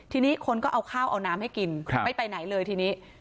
ทีนี้คนก็เอาข้าวเอาน้ำให้กินไม่ไปไหนเลยทีนี้